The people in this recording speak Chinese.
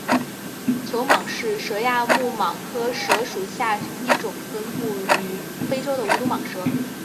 球蟒是蛇亚目蟒科蟒属下一种分布于非洲的无毒蟒蛇。